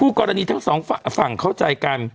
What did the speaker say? กรณีทั้งสองฝั่งเข้าใจกัน